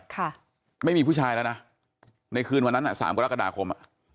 ค่ะไม่มีผู้ชายแล้วนะในคืนวันนั้นอ่ะสามกรกฎาคมอ่ะ